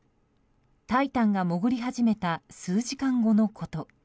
「タイタン」が潜り始めた数時間後のこと。